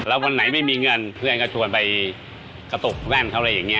แล้ววันไหนไม่มีเงินเพื่อนก็ชวนไปกระตุกแว่นเขาอะไรอย่างนี้